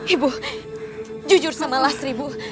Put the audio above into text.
ibu jujur sama lasri ibu